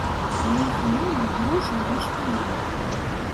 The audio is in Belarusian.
На іх яму грошай не шкада.